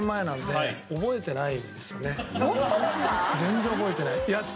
全然覚えてない。